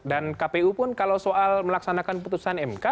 dan kpu pun kalau soal melaksanakan putusan mk